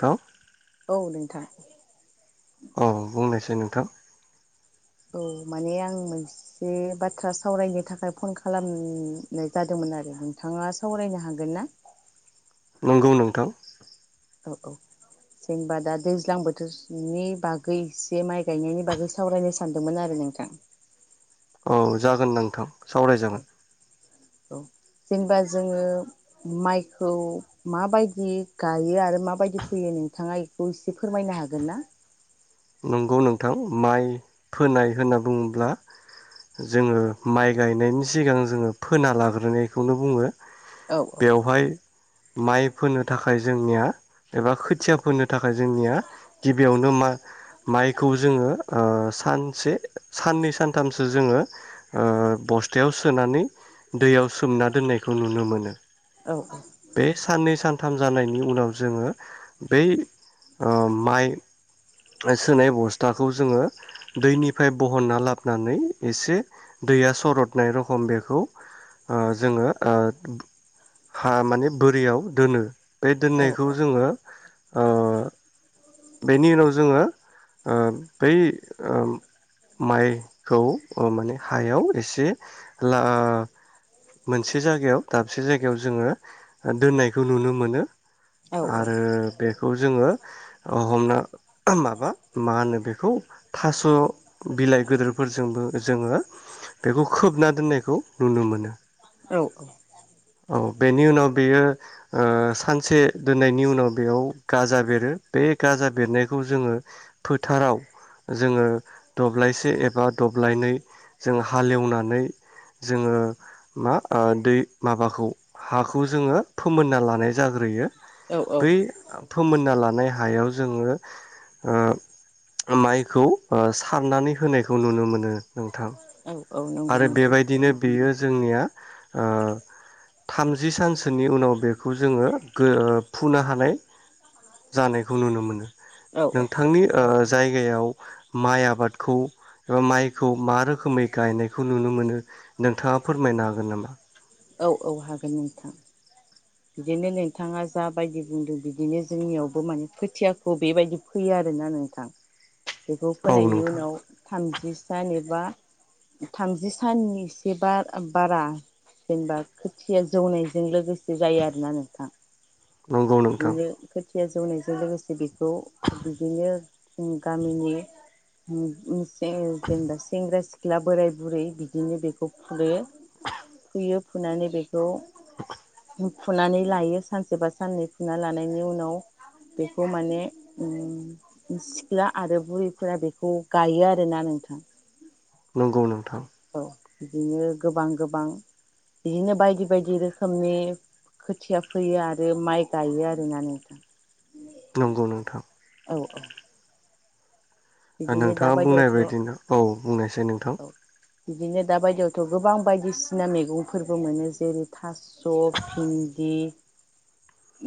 खौ औ नोंथां। औ बुंनायसाय नोंथां। औ माने आं मोनसे बाथ्रा सावरायनो थाखाय फन खालामनाय जादोंमोन आरो नोंथाङा सावरायनो हागोन ना? नंगौ नोंथां। औ औ जेनेबा दा दैज्लां बोथोरनि बागै एसे माइ गायनायनि बागै सावरायनो सानदोंमोन आरो नोंथां। औ जागोन नोंथां सावराय जागोन। औ जेनेबा जोङो माइखौ माबायदि गायो आरो माबायदि फोयो नोंथाङा इखौ इसे फोरमायनो हागोन ना? नंगौ नोंथां माइ फोनाय होनना बुङोब्ला जोङो माइ गायनायनि सिगां जोङो फोना लाग्रोनायखौनो बुङो। औ बेवहाय माइ फोनो थाखाय जोंनिया एबा खोथिया फोनो थाखाय जोंनिया गिबियावनो मा माइखौ जोङो ओ सानसे साननै सानथामसो जोङो ओ बस्थायाव सोनानै दैयाव सोमना दोननायखौ नुनो मोनो। औ औ। बे साननै सानथाम जानायनि उनाव जोङो बै ओ माइ सोनाय बस्थाखौ जोङो दैनिफ्राय बहनना लाबोनानै एसे दैया सरदनाय रखम बेखौ ओ जोङो ओ हा माने बोरियाव दोनो बे औ दोननायखौ औ जोङो ओ बेनि उनाव ज जोङो ओ बै ओ माइखौ ओ माने हायाव एसे ला ओ मोनसे जायगायाव दाबसे जायगायाव जोङो दोननायखौ नुनो मोनो औ आरो बेखौ जोङो हमना माबा मा होनो बेखौ थास बिलाइ गेदोरफोरजोंबो जोङो बेखौ खोबना दोननायखौ नुनो मोनो। औ बेनि उनाव बेयो ओ सानसे दोननायनि उनाव बेयाव गाजा बेरो बे गाजा बेरनायखौ जोङो फोथाराव जोङो दब्लायसे एबा दब्लायनै जों हालेवनानै जोङो मा दै माबाखौ हाखौ जोङो फोमोनना लानाय जाग्रोयो औ औ। थुम होनना लानाय हायाव जोङो ओ माइखौ ओ सारनानै होनायखौ नुनो मोनो नोंथां औ औ नंगौ नोंथां दिनो बेयो जोंनिया ओ थामजि सानसोनि उनाव बेखौ जोङो गो ओ फुनो हानाय जानायखौ नुनो मोनो। औ औ नोंथांनि ओ जायगायाव माइ आबादखौ ओ माइखौ मा रोखोमै गायनाय। खौ नुनो मोनो नोंथाङा फोरमायनो हागोन नामा? औ औ हागोन नोंथां। बिदिनो नोंथाङा जा बायदि बुंदों बिदिनो जोंनियावबो माने खोथियाखौ बेबायदि फोयो आरोना नोंथां बेखौ औ फोनायनि नोंथां उनाव थाम जि सान एबा थामजि साननि इसे बा-बारा जेनेबा खोथिया जौनायजों लोगोसे जायो आरोना नोंथां। नंगौ नोंथां। थिया जौनायजों लोगोसे बेखौ बिदिनो ओ गामिनि ओ ओं जेनबा सेंग्रा सि ख्ला बोराय बुरै बिदिनो बेखौ फुदो। बियो फुनानै बे खौ फुनानै लायो सानसेबा साननै फुना लानायनि उनाव बेखौ माने ओम सिख्ला आरो बुरैफोरा बेखौ गायो आरोना नोंथां। नंगौ नोंथां। औ बिदिनो गोबां गोबां बिदिनो बायदि बायदि रोखोमनि खोथिया फोयो आरो माइ गायो आरोना नोंथां। नंगौ नोंथां। औ औ बिदिनो दा नोंथाङा बुंनाय बायदियावथ' बायदिनो औ बुंनायसाय नोंथां औ बिदिनो दा बायदियावथ गोबां बायदिसिना मैगंफोरबो मोनो जेरै थास स भिन्दि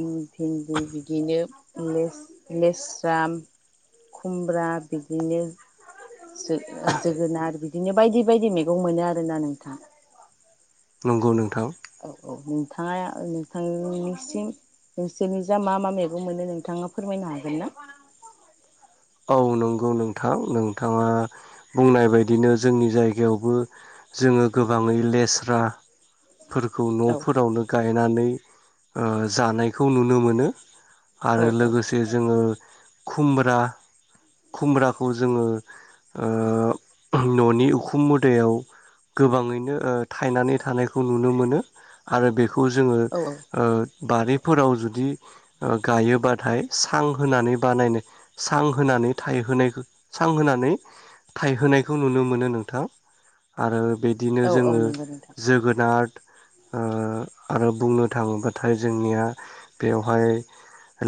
उम भिन्दि बिदिनो लेस-लेस्रा खुमब्रा बिदिनो जो जोगोनार बिदि दिनो बायदि बायदि मैगं मोनो आरोना नोंथां। नंगौनो औ औ थाङा नोंथांनिसिम नोंसोरनि जा मा मा मैगं मोनो नोंथाङा फोरमायनो हागोन ना? औ नंगौ नोंथां नोंथाङा बुंनाय बायदिनो जोंनि जायगायावबो जोङो गोबाङै लेस्रा फोरखौ औ न'फोरावनो गायनानै ओ जानायखौ नुनो मोनो। औ आरो लोगोसे जोङो खुमब्रा खुमब्राखौ जोङो ओ ननि उखुम मुदायाव गोबाङैनो थायनानै थानायखौ नुनो मोनो आरो बे खौ जोङो औ ओ बारि फोराव जुदि ओ गायोबाथाय सां होनानै बानायनो सां होनानै थायहोनायखो सां होनानै थायहोनायखौ नुनो मोनो नोंथां आरो बिदिनो औ औ जोङो नंगौ नोंथां जोगोनारद ओ आरो बुंनो थाङोबाथाय जोंनिया बेवहाय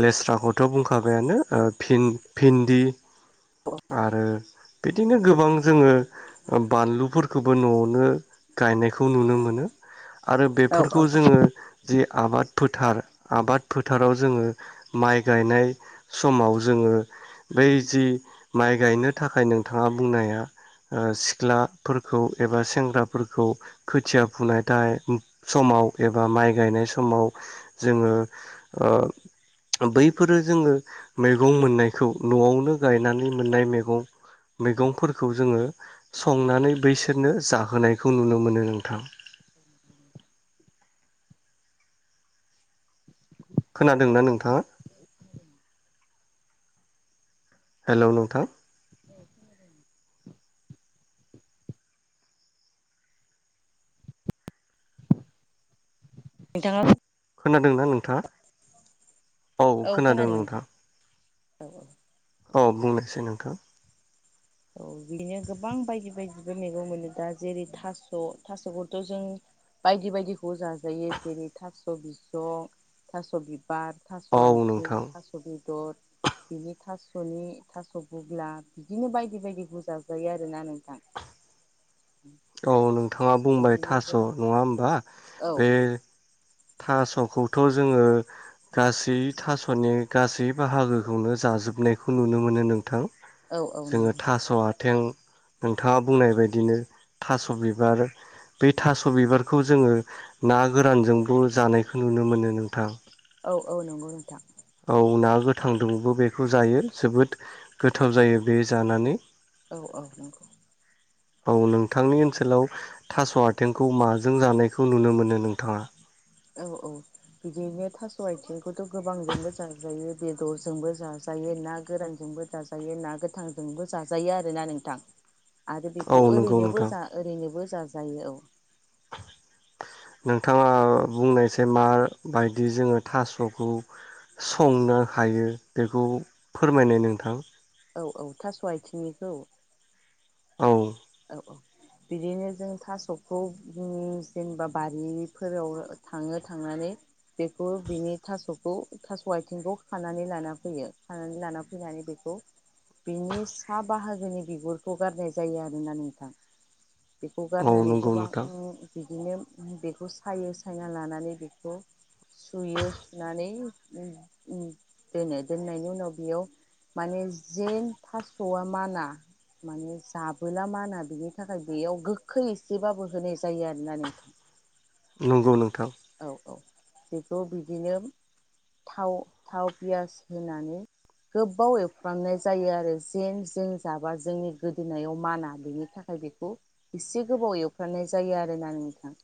लेस्राखौथ' बुंखाबायानो ओ फिन भिन्दि आरो बिदिनो गोबां जोङो बानलुफोरखोबो नआवनो गायनायखौ नुनो मोनो। आरो औ औ बेफोरखौ जोङो जि आबाद फोथार आबाद फोथाराव जोङो माइ गायनाय समाव जोङो बै जि माइ गायनो थाखाय नोंथाङा बुंनाय हा ओ सिख्लाफोरखौ एबा सेंग्राफोरखौ खोथिया फुनाय थाय समाव एबा माइ गायनाय समाव जोङो ओ बैफोरो जोङो मैगं मोननाय खौ नआवनो गायनानै मोननाय मेगं मैगंफोरखौ जोङो संनानै बैसोरनो जाहोनायखौ नुनो मोनो नोंथां। खोनादोंना नोंथाङा हेलौ नोंथां। नोंथां खोनादोंना नोंथाङा औ खोनादों नोंथां औ औ औ बुंनोसै नोंथां औ बिनो गोबां बायदि बायदिबो मैगं मोनो दा जेरै थास थासखौथ जों बायदि बायदिखौ जाजायो जेरै थास बिसं थास बि बार थास औ आथिं नोंथां थास बि बेदर बिनि थासनि थास बुग्ला बिदिनो बाय बिबायदिखौ जाजायो आरोना नोंथां औ नोंथाङा बुंबाय बिदिनो थास' गोबां नङा होमबा औ बे थास'खौथ जोङो गासै थास'नि गासै बाहागोखौनो जाजोबनायखौ नुनो मोनो नोंथां औ औ जोङो नंगौ थास आथें नोंथाङा बुंनाय बायदिनो थास बिबार बे थास बिबारखौ जोङो ना गोरानजों ब जानायखौ नुनो मोनो नोंथां। औ औ नोंगौ नोंथां गोथां दुंबो बेखौ जायो जोबोद गोथाव जायो बे जानानै औ औ नंगौ औ नोंथांनि ओनसोलाव थास आथिंखौ माजों जानायखौ नुनो मोनो नोंथाङा? औ औ बिदिनो थास आथिं खौथ गोबांजोंबो जाजायो बेदरजोंबो जाजायो ना गोरानजोंबो जाजायो ना गोथांजोंबो जाजायो आरोना नोंथां आरो औ बेखौ नंगौ ओरैनोबो नोंथां जा ओरैनोबो जाजायो औ नोंथाङा बुंनायसाय मा बायदि जोङो थास'खौ संनो हायो बेखौ फोरमायनाय नोंथां औ औ थास आथिंनिखौ औ औ बिदिनो जों थासखौ जेनेबा बारिफोराव थाङो थांनानै बेखौ बिनि थासखौ थास आथिंखौ खानानै लाना फैयो खानानै लाना फैनानै बेखौ बिनि सा बाहागोनि बिगुरखौ गारनाय जायो आरो। ना नोंथां औ बेखौगारनानानै नंगौ गोबां नोंथां उम बि बिदिनो बेखौ सायो सायना लानानै बेखौ सुयो सुनानै दोनो दोननायनि उनाव बेयाव माने जेन थास'आ माना माने जाब बोला माना बिनि थाखाय बेयाव गोखै एसेबाबो होनाय जायो आरोना नोंथां। नंगौ नोंथां औ औ बेखौ बिदिनो थाव थाव पियास होनानै गोबाव एवफ्रामनाय जायो आरो जेन जों जाबा जोंनि गोदोनायाव माना बेनि थाखाय बेखौ एसे गोबाव एवफ्रामनाय जायो आरोना नोंथां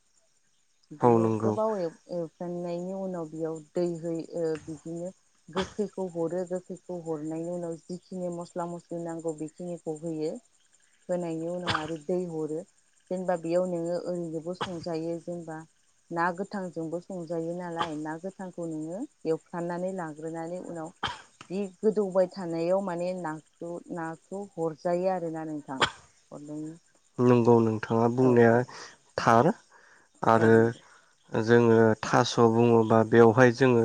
औ नंगौ। थाव एव-एवफ्रेनायनि उनाव बेयाव दै होयो बिदिनो गोखैखौ हरो गोखैखौ हरनायनि उनाव जिखिनि मस्ला मस्लि नांगौ बेखिनिखौ होयो होनायनि उनाव आरो दै हरो जेनेबा बेयाव नोङो ओरैनोबो संजायो जेनेबा ना गोथांजोंबो संजायो नालाय ना गोथांखौ नोङो एवफ्रामनानै लाग्रोनानै उनाव बि गोदौबाय थानायाव माने नाखौ नाखौ हरजायो आरोना नोंथां हरनायनि नंगौ नोंथाङा बुंनाया थार औ आरो नंगौ जोंङो थास' बुङोबा बेवहाय जोंङो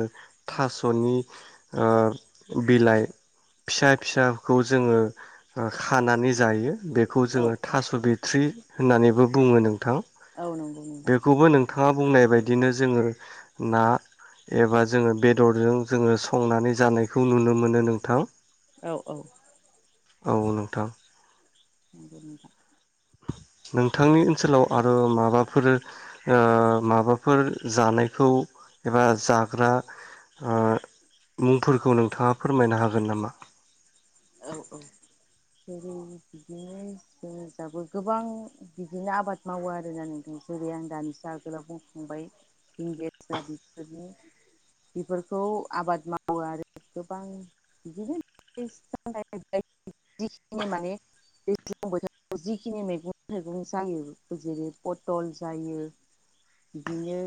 थास'नि बिलाइ फिसा फिसाखौ जोङो खानानै जायो। बेखौ औ जोंङो औ थास बेथ्रि होननानैबो बुङो नों थां औ नंगौ नोंथां बेखौबो नोंथां नोंथाङा बुंनाय बादिनो जोङो ना एबा जोङो बेदरजों जोङो संनानै जानायखौ नुनो मोनो नोंथां। औ औ औ नोंथां नगौ नोंथां नोंथांनि ओनसोलाव आरो माबाफोर ओ माबाफोर जानायखौ एबा जाग्रा ओ मुंफोरखौ नोंथाङा फोरमायनो हागोन नामा औ औ जेरै बिदिनो जो जाबो गोबां बिदिनो आबाद मावो आरोना नोंथां जेरै आं दानिसो आगोलाव बुंखांबाय थिंगिस्रा बिफोरनि बेफोरखौ आबाद मावो आरो गोबां बिदिनो [inaudible] जिखिनि माने दैज्लां बोथोराव जिखिनि मैगं थाइगं जायो जेरै पथल जायो बिदिनो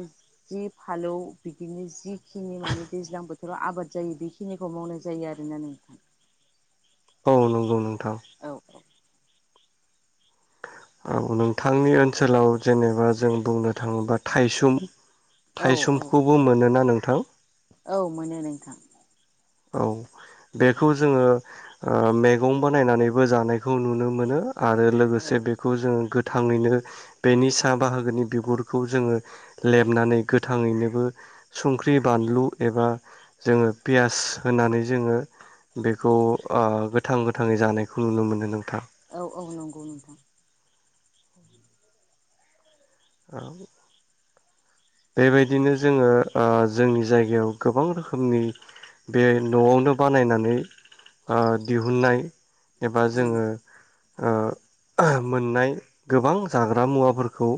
जि फालौ बिदिनो जिखिनि माने दैज्लां बोथोराव आबाद जायो बेखिनिखौ मावनाय जायो आरोना नोंथां। औ नंगौ नंगौ थ औ औ औ नोंथांनि ओनसोलाव जेनेबा जों बुंनो थाङोबा थाइसुम औ औ थायसुमखौबो मोनोना नों थां औ मोनो नोंथां। औ बेखौ जोङो ओ मैगं बानायनानैबो जानायखौ नुनो मोनो। आरो औ लोगोसे बेखौ जोङो गो गोथाङैनो बेनि साहा बाहागोनि बिगुरखौ जोंङो लेमनानै गोथाङैनोबो संख्रि बानलु एबा जोंङो पियास होनानै जोङो बेखौ ओ गोथां गोथाङै जानायखौ नुनो मोनो नोंथां औ औ नंगौ नोंथां औ बेबायदिनो जोंङो ओ जोंनि जायगायाव गोबां रोखोमनि बे न'आवनो बानायनानै ओ दिहुननाय एबा उम जोंङो ओ मोननाय गोबां जाग्रा मुवाफोरखौ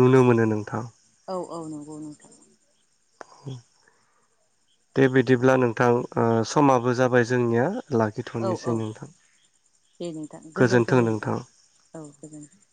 नुनो मोनो नोंथां औ औ नंगौ नोंथां। दे बिदिब्ला नोंथां ओ समाबो जाबाय जोंनिया औ लाखिथ'नोसै औ नोंथां दे नोंथां गोजोनथों नोंथां औ गोजोनथों